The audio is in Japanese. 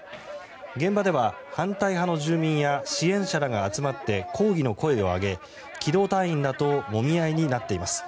現場では反対派の住民や支援者らが集まって抗議の声を上げ機動隊員らともみ合いになっています。